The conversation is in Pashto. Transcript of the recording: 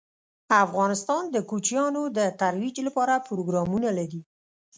افغانستان د کوچیان د ترویج لپاره پروګرامونه لري.